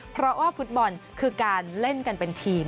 เพราะว่าฟุตบอลคือการเล่นกันเป็นทีม